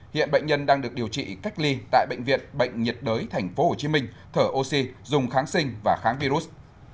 hiện bệnh nhân đang được điều trị cách ly tại bệnh viện bệnh nhiệt đới thành phố hồ chí minh thở oxy dùng kháng sinh và kháng virus